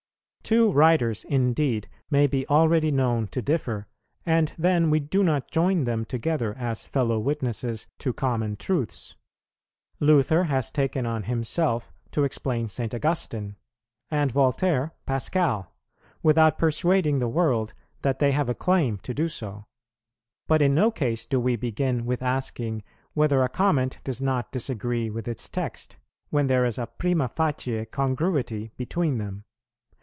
Two writers, indeed, may be already known to differ, and then we do not join them together as fellow witnesses to common truths; Luther has taken on himself to explain St. Augustine, and Voltaire, Pascal, without persuading the world that they have a claim to do so; but in no case do we begin with asking whether a comment does not disagree with its text, when there is a primâ facie congruity between them.